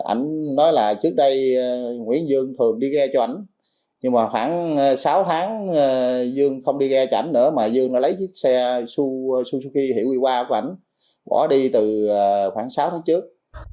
ảnh nói là trước đây nguyễn dương thường đi ghe cho ảnh nhưng mà khoảng sáu tháng dương không đi ghe cho ảnh nữa mà dương đã lấy chiếc xe suzuki hiệu quý qua của ảnh bỏ đi từ khoảng sáu tháng trước